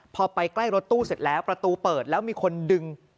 พอไปใกล้รถตู้เสร็จแล้วประตูเปิดแล้วมีคนดึง